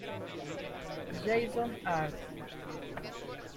Jason Hart